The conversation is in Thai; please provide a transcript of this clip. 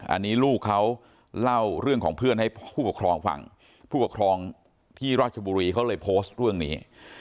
อันนี้ลูกเขาเล่าเรื่องของเพื่อนให้ผู้ปกครองฟังผู้ปกครองที่ราชบุรีเขาเลยโพสต์เรื่องนี้